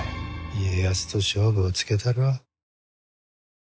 家康と勝負をつけたるわ。